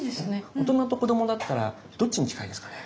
大人と子どもだったらどっちに近いですかね？